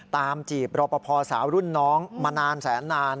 จีบรอปภสาวรุ่นน้องมานานแสนนาน